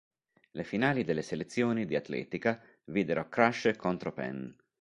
Le finali delle selezioni di atletica videro Crash contro Penn.